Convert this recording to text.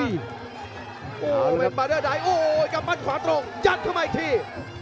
โอ้โหเป็นบาเดอร์ไดโอ้โหกำมัดขวาตรงยัดเข้ามาอีกที